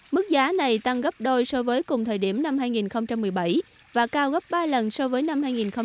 mức giá này tăng gấp đôi so với cùng thời điểm năm hai nghìn một mươi bảy và cao gấp ba lần so với năm hai nghìn một mươi bảy